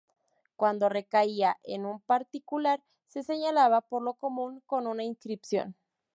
Cuando recaía en un particular se señalaba por lo común con una inscripción.